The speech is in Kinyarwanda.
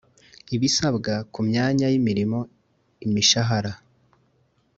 ibisabwa ku myanya y imirimo imishahara